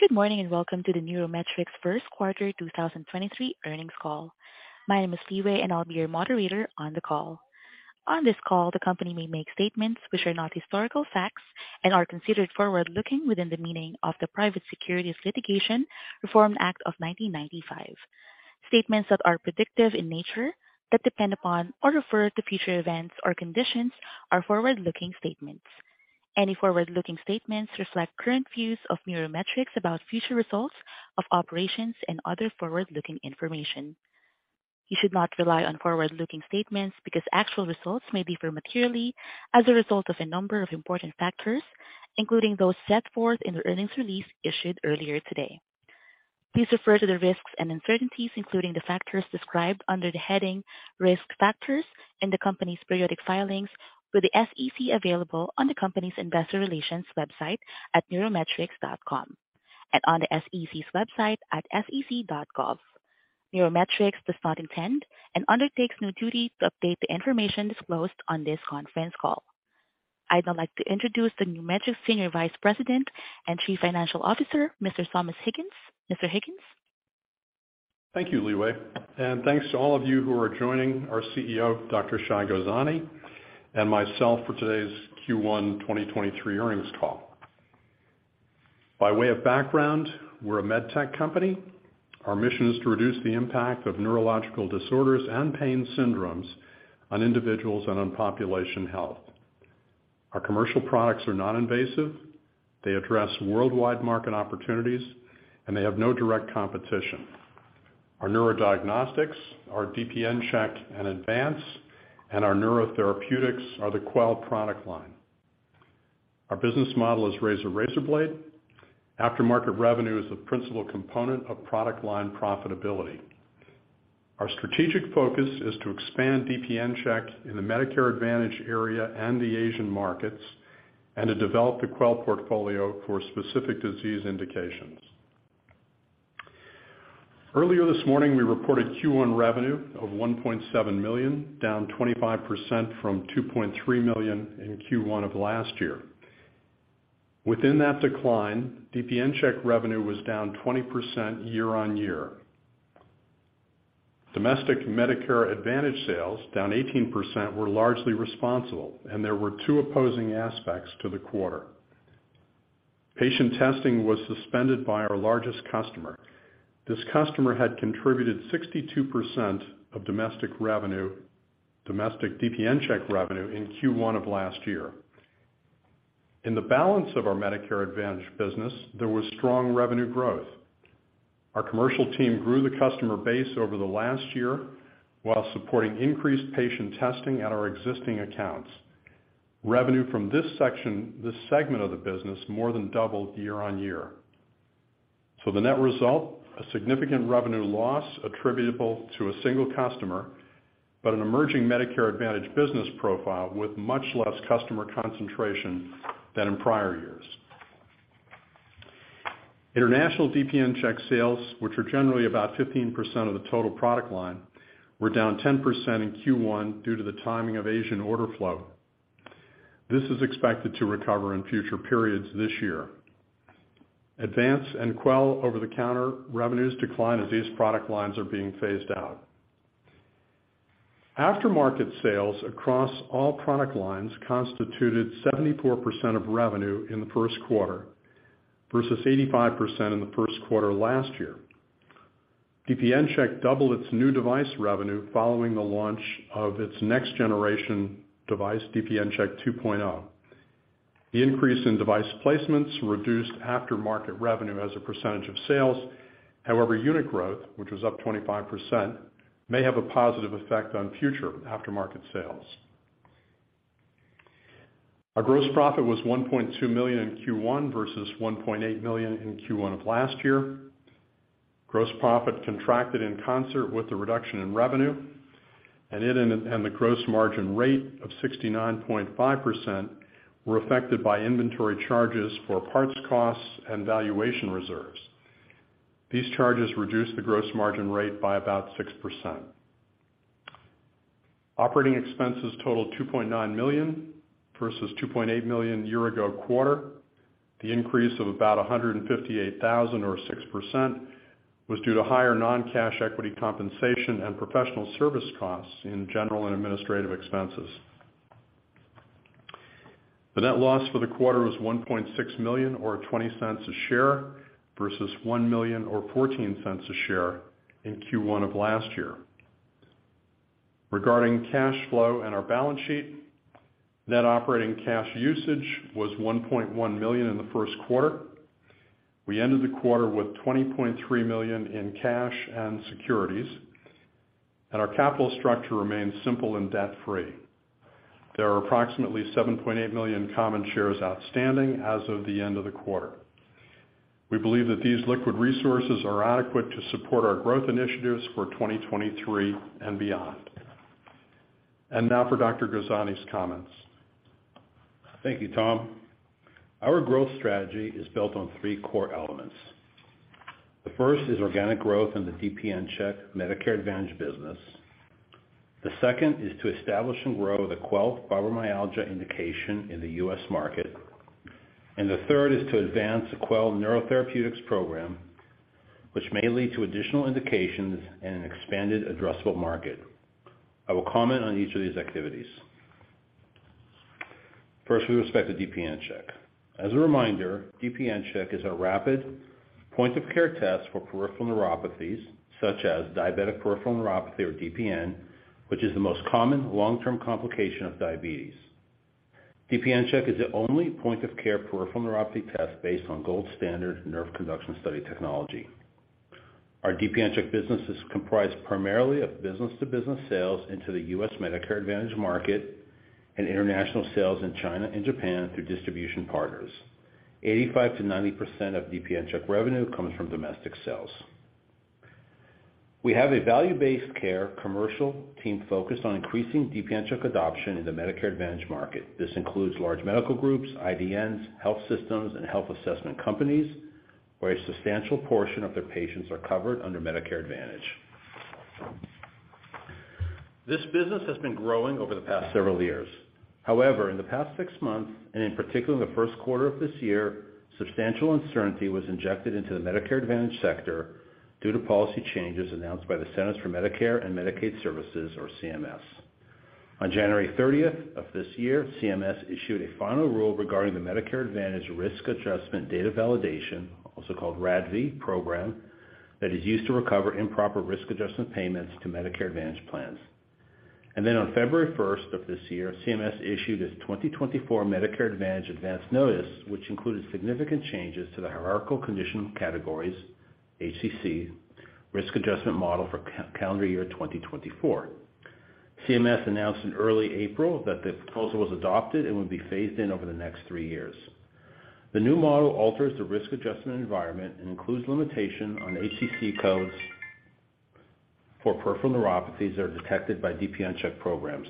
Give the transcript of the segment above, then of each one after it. Good morning, welcome to the NeuroMetrix first quarter 2023 earnings call. My name is Leeway, I'll be your moderator on the call. On this call, the company may make statements which are not historical facts and are considered forward-looking within the meaning of the Private Securities Litigation Reform Act of 1995. Statements that are predictive in nature, that depend upon or refer to future events or conditions are forward-looking statements. Any forward-looking statements reflect current views of NeuroMetrix about future results of operations and other forward-looking information. You should not rely on forward-looking statements because actual results may differ materially as a result of a number of important factors, including those set forth in the earnings release issued earlier today. Please refer to the risks and uncertainties, including the factors described under the heading Risk Factors in the company's periodic filings with the SEC available on the company's investor relations website at neurometrix.com and on the SEC's website at sec.gov. NeuroMetrix does not intend and undertakes no duty to update the information disclosed on this conference call. I'd now like to introduce the NeuroMetrix Senior Vice President and Chief Financial Officer, Mr. Thomas Higgins. Mr. Higgins. Thank you, Leeway, and thanks to all of you who are joining our CEO, Dr. Shai Gozani, and myself for today's Q1 2023 earnings call. By way of background, we're a med tech company. Our mission is to reduce the impact of neurological disorders and pain syndromes on individuals and on population health. Our commercial products are non-invasive, they address worldwide market opportunities, and they have no direct competition. Our neurodiagnostics, our DPNCheck and ADVANCE, and our neurotherapeutics are the Quell product line. Our business model is razor blade. Aftermarket revenue is the principal component of product line profitability. Our strategic focus is to expand DPNCheck in the Medicare Advantage area and the Asian markets, and to develop the Quell portfolio for specific disease indications. Earlier this morning, we reported Q1 revenue of $1.7 million, down 25% from $2.3 million in Q1 of last year. Within that decline, DPNCheck revenue was down 20% year-on-year. Domestic Medicare Advantage sales, down 18%, were largely responsible. There were two opposing aspects to the quarter. Patient testing was suspended by our largest customer. This customer had contributed 62% of domestic DPNCheck revenue in Q1 of last year. In the balance of our Medicare Advantage business, there was strong revenue growth. Our commercial team grew the customer base over the last year while supporting increased patient testing at our existing accounts. Revenue from this segment of the business more than doubled year-on-year. The net result, a significant revenue loss attributable to a single customer, but an emerging Medicare Advantage business profile with much less customer concentration than in prior years. International DPNCheck sales, which are generally about 15% of the total product line, were down 10% in Q1 due to the timing of Asian order flow. This is expected to recover in future periods this year. ADVANCE and Quell over-the-counter revenues declined as these product lines are being phased out. Aftermarket sales across all product lines constituted 74% of revenue in the first quarter versus 85% in the first quarter last year. DPNCheck doubled its new device revenue following the launch of its next generation device, DPNCheck 2.0. The increase in device placements reduced aftermarket revenue as a percentage of sales. However, unit growth, which was up 25%, may have a positive effect on future aftermarket sales. Our gross profit was $1.2 million in Q1 versus $1.8 million in Q1 of last year. Gross profit contracted in concert with the reduction in revenue, and the gross margin rate of 69.5% were affected by inventory charges for parts costs and valuation reserves. These charges reduced the gross margin rate by about 6%. Operating expenses totaled $2.9 million versus $2.8 million year ago quarter. The increase of about $158,000 or 6% was due to higher non-cash equity compensation and professional service costs in general and administrative expenses. The net loss for the quarter was $1.6 million or $0.20 a share versus $1 million or $0.14 a share in Q1 of last year. Regarding cash flow and our balance sheet, net operating cash usage was $1.1 million in the first quarter. We ended the quarter with $20.3 million in cash and securities, and our capital structure remains simple and debt-free. There are approximately 7.8 million common shares outstanding as of the end of the quarter. We believe that these liquid resources are adequate to support our growth initiatives for 2023 and beyond. Now for Dr. Gozani's comments. Thank you, Tom. Our growth strategy is built on three core elements. The first is organic growth in the DPNCheck Medicare Advantage business. The second is to establish and grow the Quell Fibromyalgia indication in the U.S. market. The third is to ADVANCE the Quell neurotherapeutics program, which may lead to additional indications in an expanded addressable market. I will comment on each of these activities. First, with respect to DPNCheck. As a reminder, DPNCheck is a rapid point of care test for peripheral neuropathies, such as diabetic peripheral neuropathy or DPN, which is the most common long-term complication of diabetes. DPNCheck is the only point of care peripheral neuropathy test based on gold standard nerve conduction study technology. Our DPNCheck business is comprised primarily of business-to-business sales into the U.S. Medicare Advantage market and international sales in China and Japan through distribution partners. 85%-90% of DPNCheck revenue comes from domestic sales. We have a value-based care commercial team focused on increasing DPNCheck adoption in the Medicare Advantage market. This includes large medical groups, IDNs, health systems, and health assessment companies, where a substantial portion of their patients are covered under Medicare Advantage. This business has been growing over the past several years. However, in the past six months, and in particular in the first quarter of this year, substantial uncertainty was injected into the Medicare Advantage sector due to policy changes announced by the Centers for Medicare & Medicaid Services, or CMS. On January 30th of this year, CMS issued a final rule regarding the Medicare Advantage Risk Adjustment Data Validation, also called RADV program, that is used to recover improper risk adjustment payments to Medicare Advantage plans. On February first of this year, CMS issued its 2024 Medicare Advantage ADVANCE notice, which included significant changes to the Hierarchical Condition Categories, HCC, risk adjustment model for calendar year 2024. CMS announced in early April that the proposal was adopted and would be phased in over the next three years. The new model alters the risk adjustment environment and includes limitation on HCC codes for peripheral neuropathies that are detected by DPNCheck programs.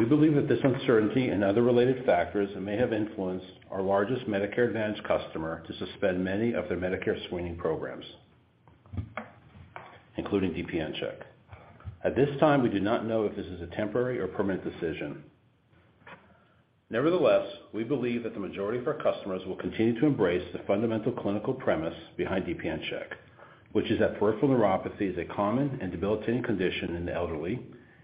We believe that this uncertainty and other related factors may have influenced our largest Medicare Advantage customer to suspend many of their Medicare screening programs, including DPNCheck. At this time, we do not know if this is a temporary or permanent decision. Nevertheless, we believe that the majority of our customers will continue to embrace the fundamental clinical premise behind DPNCheck, which is that peripheral neuropathy is a common and debilitating condition in the elderly,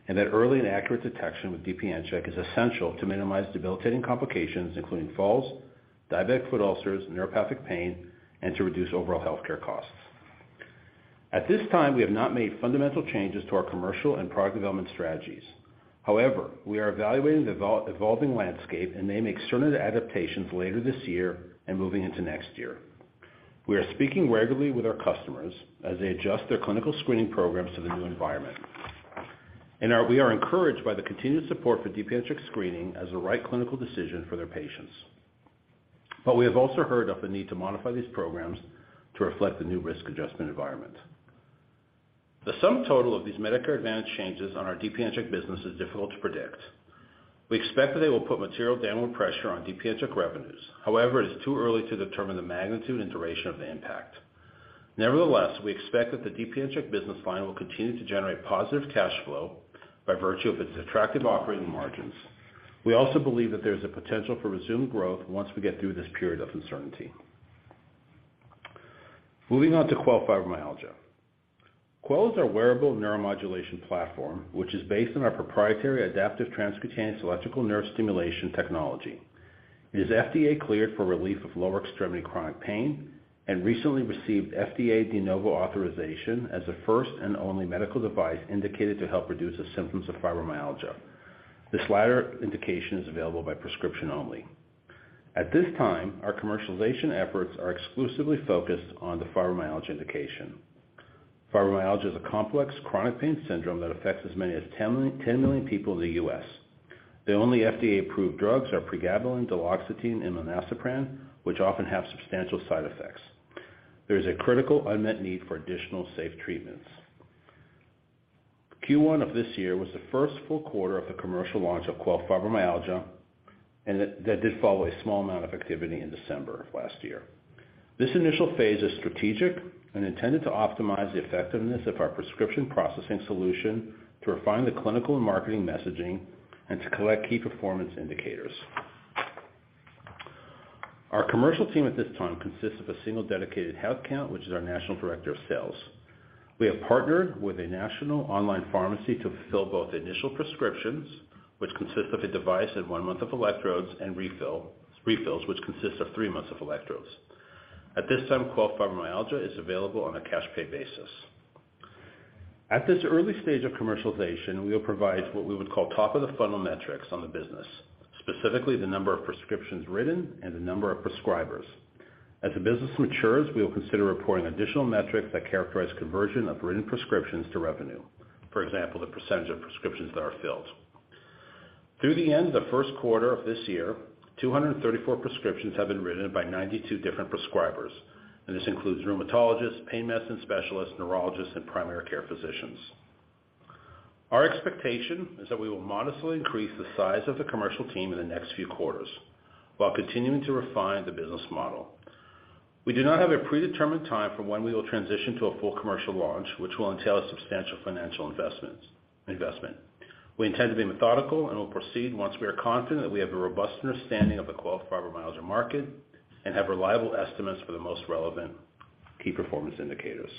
and that early and accurate detection with DPNCheck is essential to minimize debilitating complications, including falls, diabetic foot ulcers, neuropathic pain, and to reduce overall healthcare costs. At this time, we have not made fundamental changes to our commercial and product development strategies. We are evaluating the evolving landscape and may make certain adaptations later this year and moving into next year. We are encouraged by the continued support for DPNCheck screening as the right clinical decision for their patients. We have also heard of the need to modify these programs to reflect the new risk adjustment environment. The sum total of these Medicare Advantage changes on our DPNCheck business is difficult to predict. We expect that they will put material downward pressure on DPNCheck revenues. However, it is too early to determine the magnitude and duration of the impact. Nevertheless, we expect that the DPNCheck business line will continue to generate positive cash flow by virtue of its attractive operating margins. We also believe that there's a potential for resumed growth once we get through this period of uncertainty. Moving on to Quell Fibromyalgia. Quell is our wearable neuromodulation platform, which is based on our proprietary adaptive transcutaneous electrical nerve stimulation technology. It is FDA-cleared for relief of lower extremity chronic pain and recently received FDA De Novo authorization as the first and only medical device indicated to help reduce the symptoms of fibromyalgia. This latter indication is available by prescription only. At this time, our commercialization efforts are exclusively focused on the fibromyalgia indication. Fibromyalgia is a complex chronic pain syndrome that affects as many as 10 million people in the U.S.. The only FDA-approved drugs are pregabalin, duloxetine, and milnacipran, which often have substantial side effects. There's a critical unmet need for additional safe treatments. Q1 of this year was the first full quarter of the commercial launch of Quell Fibromyalgia and that did follow a small amount of activity in December of last year. This initial phase is strategic and intended to optimize the effectiveness of our prescription processing solution to refine the clinical and marketing messaging and to collect key performance indicators. Our commercial team at this time consists of a single dedicated health account, which is our national director of sales. We have partnered with a national online pharmacy to fill both the initial prescriptions, which consist of a device and one month of electrodes, and refills, which consists of three months of electrodes. At this time, Quell Fibromyalgia is available on a cash pay basis. At this early stage of commercialization, we will provide what we would call top of the funnel metrics on the business, specifically the number of prescriptions written and the number of prescribers. As the business matures, we will consider reporting additional metrics that characterize conversion of written prescriptions to revenue. For example, the percentage of prescriptions that are filled. Through the end of the first quarter of this year, 234 prescriptions have been written by 92 different prescribers, and this includes rheumatologists, pain medicine specialists, neurologists, and primary care physicians. Our expectation is that we will modestly increase the size of the commercial team in the next few quarters while continuing to refine the business model. We do not have a predetermined time for when we will transition to a full commercial launch, which will entail a substantial financial investment. We intend to be methodical and will proceed once we are confident that we have a robust understanding of the qualified fibromyalgia market and have reliable estimates for the most relevant key performance indicators.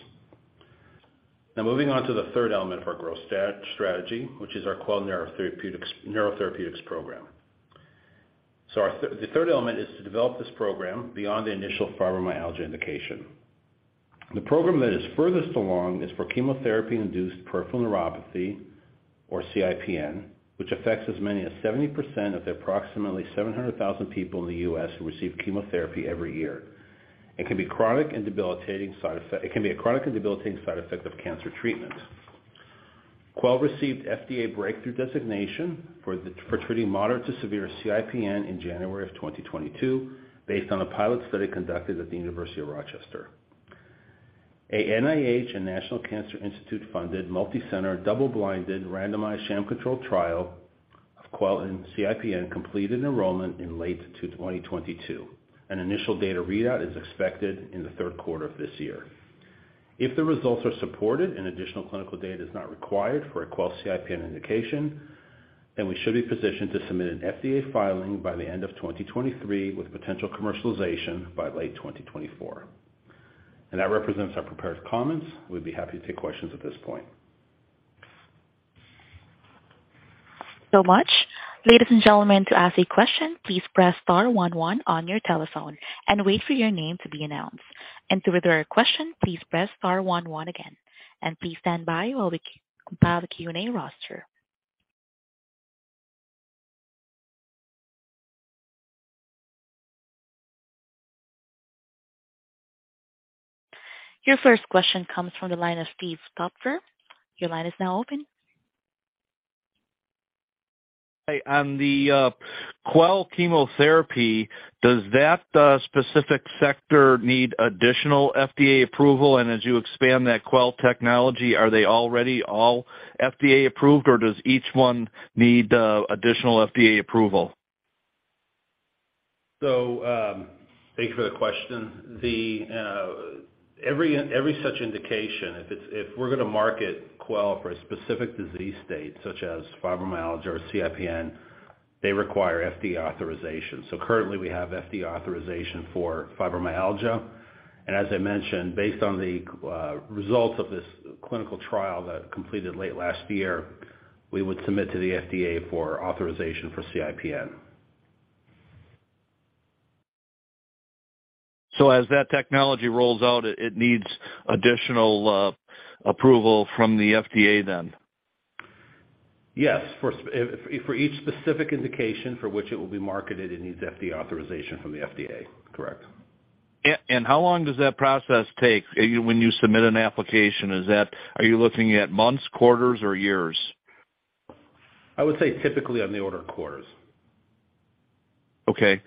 Moving on to the third element of our growth strategy, which is our Quell neurotherapeutics program. The third element is to develop this program beyond the initial fibromyalgia indication. The program that is furthest along is for chemotherapy-induced peripheral neuropathy, or CIPN, which affects as many as 70% of the approximately 700,000 people in the U.S. who receive chemotherapy every year. It can be a chronic and debilitating side effect of cancer treatment. Quell received FDA breakthrough designation for treating moderate to severe CIPN in January of 2022 based on a pilot study conducted at the University of Rochester. A NIH and National Cancer Institute funded multicenter, double-blinded, randomized sham-controlled trial of Quell in CIPN completed enrollment in late to 2022. An initial data readout is expected in the third quarter of this year. If the results are supported and additional clinical data is not required for a Quell CIPN indication, then we should be positioned to submit an FDA filing by the end of 2023, with potential commercialization by late 2024. That represents our prepared comments. We'd be happy to take questions at this point. Much. Ladies and gentlemen, to ask a question, please press star 11 on your telephone and wait for your name to be announced. To withdraw your question, please press star one one again. Please stand by while we compile the Q&A roster. Your first question comes from the line of Steve Topfer. Your line is now open. Hi. On the Quell chemotherapy, does that specific sector need additional FDA approval? As you expand that Quell technology, are they already all FDA approved, or does each one need additional FDA approval? Thank you for the question. Every such indication, if it's, if we're gonna market Quell for a specific disease state, such as fibromyalgia or CIPN, they require FDA authorization. Currently we have FDA authorization for fibromyalgia. As I mentioned, based on the results of this clinical trial that completed late last year, we would submit to the FDA for authorization for CIPN. As that technology rolls out, it needs additional approval from the FDA then? Yes. If for each specific indication for which it will be marketed, it needs FDA authorization from the FDA. Correct. How long does that process take? When you submit an application, are you looking at months, quarters, or years? I would say typically on the order of quarters. Okay.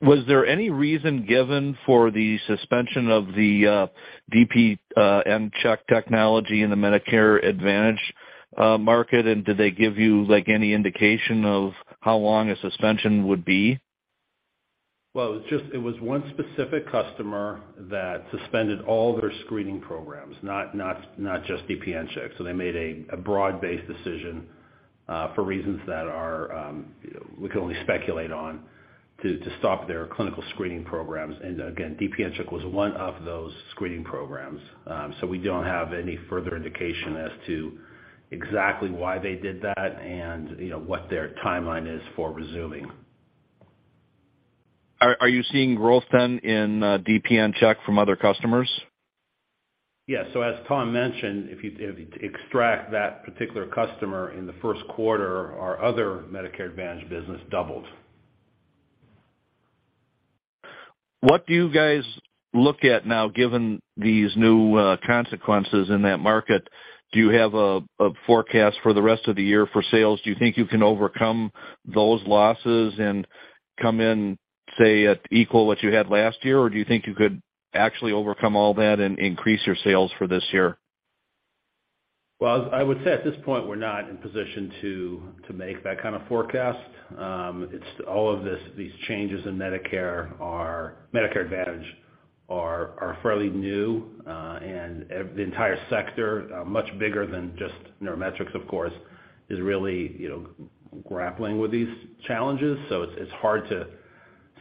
Was there any reason given for the suspension of the DPNCheck technology in the Medicare Advantage market? Did they give you like any indication of how long a suspension would be? Well, it was just one specific customer that suspended all their screening programs, not just DPNCheck. They made a broad-based decision for reasons that are we can only speculate on, to stop their clinical screening programs. Again, DPNCheck was one of those screening programs. We don't have any further indication as to exactly why they did that and you know, what their timeline is for resuming. Are you seeing growth then in DPNCheck from other customers? Yes. As Tom mentioned, if you extract that particular customer in the first quarter, our other Medicare Advantage business doubled. What do you guys look at now, given these new, consequences in that market? Do you have a forecast for the rest of the year for sales? Do you think you can overcome those losses and come in, say, at equal what you had last year, or do you think you could actually overcome all that and increase your sales for this year? Well, I would say at this point we're not in position to make that kind of forecast. It's all of these changes in Medicare are, Medicare Advantage are fairly new. The entire sector, much bigger than just NeuroMetrix, of course, is really, you know, grappling with these challenges. It's hard to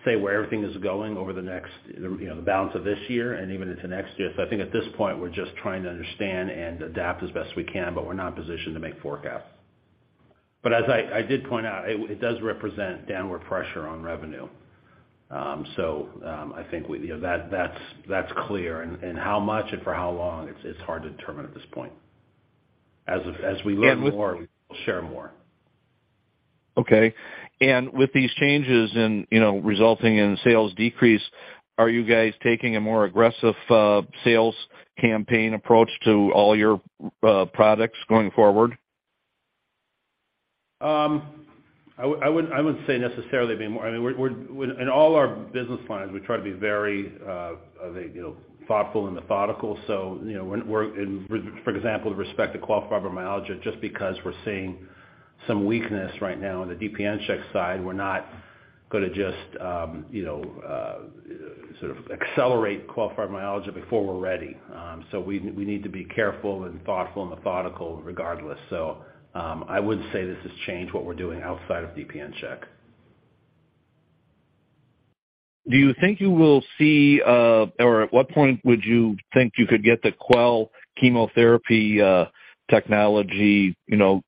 say where everything is going over the next, you know, the balance of this year and even into next year. I think at this point we're just trying to understand and adapt as best we can, but we're not in position to make forecasts. As I did point out, it does represent downward pressure on revenue. I think we, you know, that's clear and how much and for how long, it's hard to determine at this point. As of, as we learn more, we'll share more. Okay. With these changes and, you know, resulting in sales decrease, are you guys taking a more aggressive sales campaign approach to all your products going forward? I wouldn't say necessarily be more. I mean, we're in all our business lines, we try to be very, you know, thoughtful and methodical. You know, when we're for example with respect to Quell Fibromyalgia, just because we're seeing some weakness right now on the DPNCheck side, we're not gonna just, you know, sort of accelerate Quell Fibromyalgia before we're ready. We need to be careful and thoughtful and methodical regardless. I wouldn't say this has changed what we're doing outside of DPNCheck. Do you think you will see, or at what point would you think you could get the Quell chemotherapy technology, you know,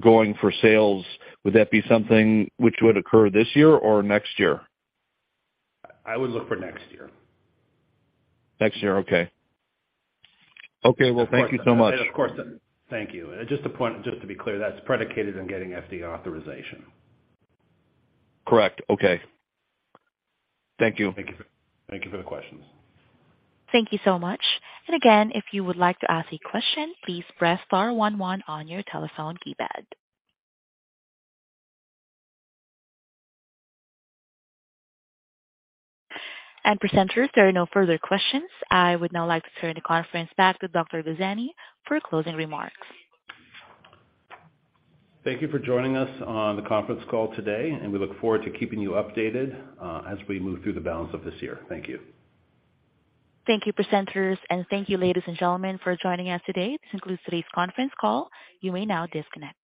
going for sales? Would that be something which would occur this year or next year? I would look for next year. Next year. Okay. Okay, well thank you so much. Of course. Thank you. Just a point, just to be clear, that's predicated on getting FDA authorization. Correct. Okay. Thank you. Thank you. Thank you for the questions. Thank you so much. Again, if you would like to ask a question, please press star one one on your telephone keypad. Presenters, there are no further questions. I would now like to turn the conference back to Dr. Gozani for closing remarks. Thank you for joining us on the conference call today, and we look forward to keeping you updated, as we move through the balance of this year. Thank you. Thank you, presenters, and thank you ladies and gentlemen for joining us today. This concludes today's conference call. You may now disconnect.